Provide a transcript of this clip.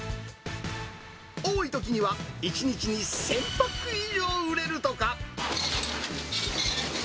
多いときには１日に１０００パック以上売れるとか。